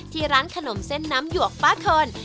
ที่ร้านขนมเส้นน้ำหยวกป้าคน